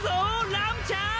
ラムちゃーん！